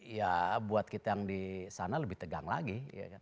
ya buat kita yang di sana lebih tegang lagi